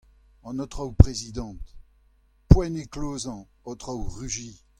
An Aotrou Prezidant : Poent eo klozañ, Aotrou Rugy !